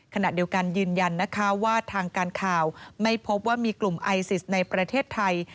ขณะเดียวกันยืนยันนะคะว่าทางการข่าวไม่พบว่ามีกลุ่มไอซิสในประเทศไทย